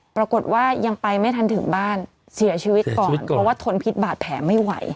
ปรากฏว่ายังไปไม่ทันถึงบ้านเสียชีวิตก่อนเพราะว่าทนพิษบาดแผลไม่ไหว